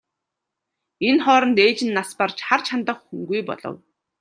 Энэ хооронд ээж нь нас барж харж хандах хүнгүй болов.